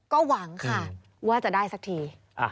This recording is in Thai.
ก็หวังค่ะว่าจะได้สักที